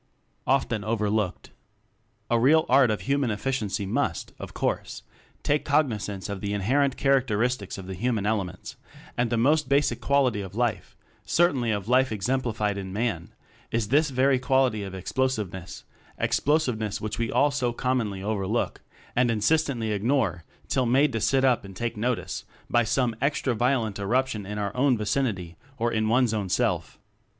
Often Overlooked. A real Art of Human Efficiency must, of course, take cognizance of the inherent characteristics of the hu man elements; and the most basic quality of life certainly of life exem plified in Man is this very quality of explosiveness explosiveness which we all so commonly overlook and insist ently ignore till made to sit up and take notice by some extra violent eruption in our own vicinity, or in one's own self.